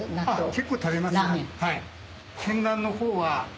結構食べますよ。